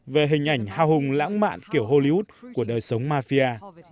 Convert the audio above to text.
về hình ảnh hào hùng lãng mạn kiểu hollywood của đời sống mafia